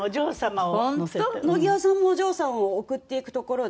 野際さんもお嬢さんを送っていくところで。